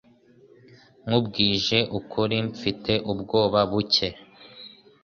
Nkubwije ukuri, Mfite ubwoba buke.